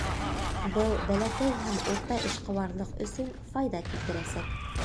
Был бәләкәй һәм урта эшҡыуарлыҡ өсөн файҙа килтерәсәк.